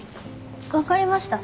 分かりました。